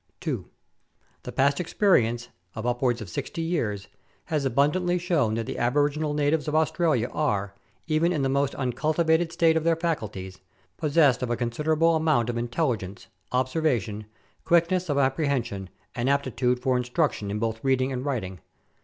2. The past experience, of upwards of 60 years, has abundantly shown that the aboriginal natives of Australia are, even in the most uncultivated state of their faculties, possessed of a con siderable amount of intelligence, observation, quickness of appre hension, and aptitude for instruction in both reading and writing.